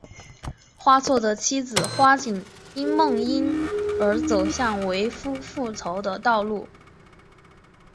花错的妻子花景因梦因而走向为夫复仇的道路。